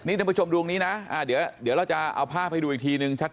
ท่านผู้ชมดวงนี้นะเดี๋ยวเราจะเอาภาพให้ดูอีกทีนึงชัด